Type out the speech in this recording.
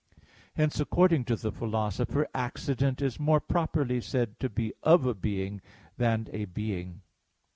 Hence, according to the Philosopher (Metaph. vii, text 2) accident is more properly said to be "of a being" than "a being."